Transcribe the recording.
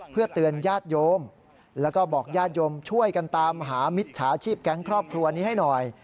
เพื่อเตือนญาติโยมแล้วก็บอกญาติโยมช่วยกันตามหามิจฉาชีพแก๊งครอบครัวนี้ให้หน่อย